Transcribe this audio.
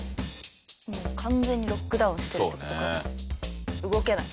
もう完全にロックダウンしてるって事か。